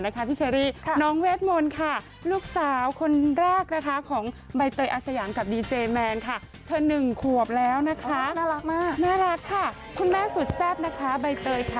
นี่เลยค่ะอยู่กันพร้อมหน้าพร้อมตัก